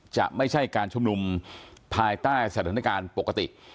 จะไม่ใช่การชุมนุมภายใต้สถานการณ์ปกติ